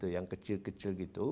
yang kecil kecil gitu